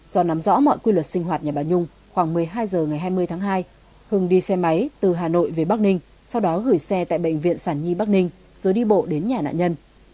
do nắm rõ mọi quy luật sinh hoạt nhà bà nhung khoảng một mươi hai h ngày hai mươi tháng hai hưng đi xe máy từ hà nội về bắc ninh sau đó gửi xe tại bệnh viện sản nhi bắc ninh rồi đi bộ đến nhà nạn nhân